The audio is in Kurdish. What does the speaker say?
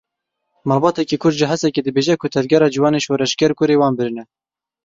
Malbateke Kurd ji Hesekê dibêje ku Tevgera Ciwanên Şoreşer kurê wan birine.